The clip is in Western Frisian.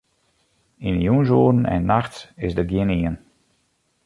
Yn 'e jûnsoeren en nachts is dêr gjinien.